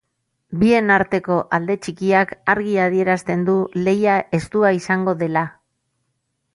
Bien arteko alde txikiak argi adierazten du lehia estua izango dela.